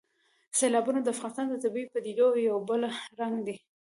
سیلابونه د افغانستان د طبیعي پدیدو یو بل رنګ دی.